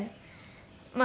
まあ